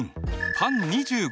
パン２５人。